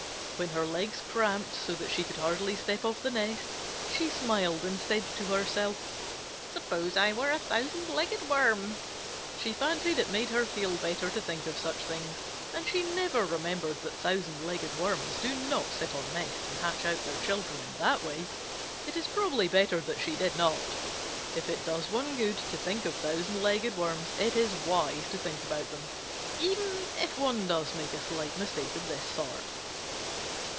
When her legs cramped so that she could hardly step off the nest, she smiled and said to herself, "Suppose I were a Thousand Legged Worm!" She fancied it made her feel better to think of such things, and she never remembered that Thousand Legged Worms do not sit on nests and hatch out their children in that way. It is probably better that she did not. If it does one good to think of Thousand Legged Worms, it is wise to think about them, even if one does make a slight mistake of this sort.